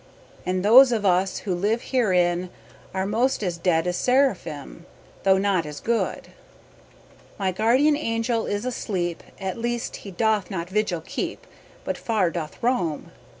And those of us who live herein Are most as dead as seraphim Though not as good. My guardian angel is asleep At least he doth no vigil keep But far doth roam.